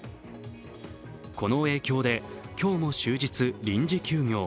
この影響で今日も終日臨時休業。